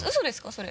それ。